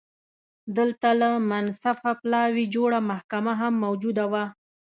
دلته له منصفه پلاوي جوړه محکمه هم موجوده وه